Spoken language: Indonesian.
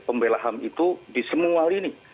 pembelahan itu di semua lini